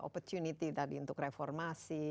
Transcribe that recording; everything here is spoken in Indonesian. opportunity tadi untuk reformasi